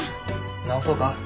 直そうか？